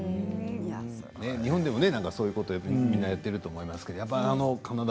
日本でもそういうことみんなやっていると思います